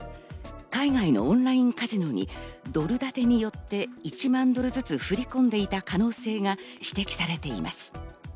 海外のオンラインカジノにドル建てによって１万ドルずつ振り込んでいた可能性が指摘されています。